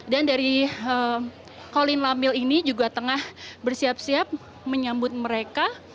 dan dari kolin lamil ini juga tengah bersiap siap menyambut mereka